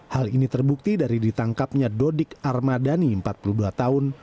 hal ini terbukti dari ditangkapnya dodik armadani empat puluh dua tahun